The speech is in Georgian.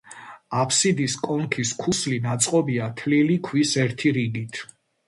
აფსიდის კონქის ქუსლი ნაწყობია თლილი ქვის ერთი რიგით.